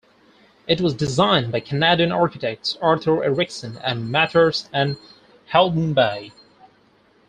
It was designed by Canadian architects Arthur Erickson and Mathers and Haldenby.